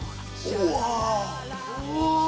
うわ。